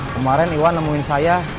kemarin iwan nemuin saya